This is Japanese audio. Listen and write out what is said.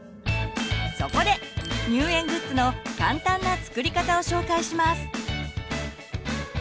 そこで入園グッズの簡単な作り方を紹介します。